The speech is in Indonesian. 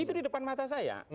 itu di depan mata saya